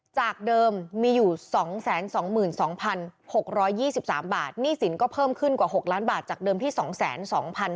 จากเดิมมีอยู่๒๒๖๒๓บาทหนี้สินก็เพิ่มขึ้นกว่า๖ล้านบาทจากเดิมที่๒๒๐๐บาท